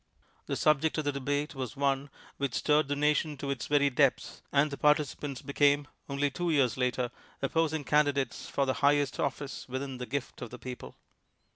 The subject of the debate was one which stirred the nation to its very depths, and the participants became only two years later, opposing candidates for the highest office within the gift of the people.